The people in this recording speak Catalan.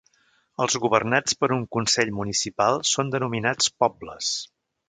Els governats per un consell municipal són denominats pobles.